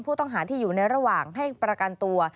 ผู้ต้องหาที่อยู่ในระหว่างให้ประกันตัว